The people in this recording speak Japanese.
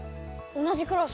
同じクラス。